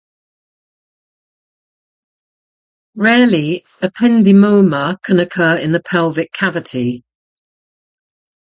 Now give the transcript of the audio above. Rarely, ependymoma can occur in the pelvic cavity.